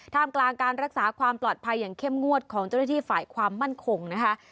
กลางการรักษาความปลอดภัยอย่างเข้มงวดของเจ้าหน้าที่ฝ่ายความมั่นคงนะคะ